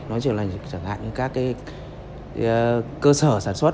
nó chỉ là chẳng hạn như các cái cơ sở sản xuất